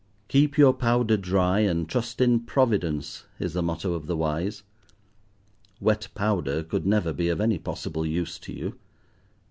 Keep your powder dry, and trust in Providence, is the motto of the wise. Wet powder could never be of any possible use to you.